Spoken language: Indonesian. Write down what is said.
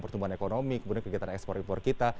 pertumbuhan ekonomi kemudian kegiatan ekspor impor kita